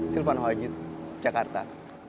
silvan hoajid jakarta